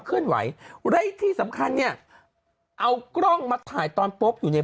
เคลื่อนไหวและที่สำคัญเนี่ยเอากล้องมาถ่ายตอนโป๊บอยู่ใน